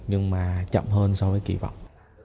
nhưng mà chậm hơn so với kỳ vọng